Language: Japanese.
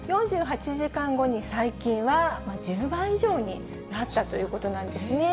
４８時間後に細菌は１０倍以上になったということなんですね。